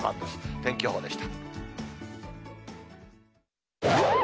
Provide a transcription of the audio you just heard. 天気予報でした。